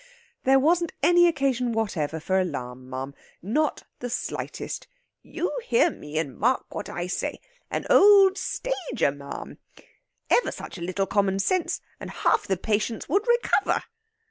There wasn't any occasion whatever for alarm, ma'am! Not the slightest. "You hear me, and mark what I say an old stager, ma'am! Ever such a little common sense, and half the patients would recover!"